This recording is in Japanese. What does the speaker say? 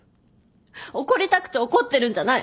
怒りたくて怒ってるんじゃない。